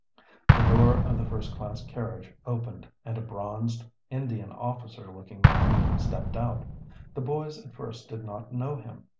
The door of the first class carriage opened, and a bronzed, Indian officer looking man stepped out. The boys at first did not know him.